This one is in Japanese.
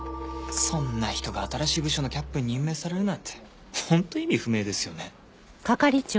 そんな人が新しい部署のキャップに任命されるなんて本当意味不明ですよね。